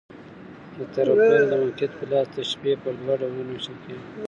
د طرفَینو د موقعیت په لحاظ، تشبیه پر دوه ډولونو وېشل کېږي.